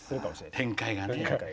展開がね。